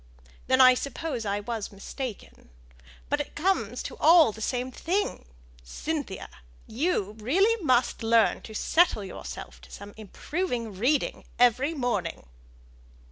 Then I suppose I was mistaken. But it comes to all the same thing. Cynthia, you really must learn to settle yourself to some improving reading every morning."